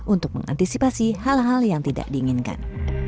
untuk mengantisipasi hal hal yang tidak diinginkan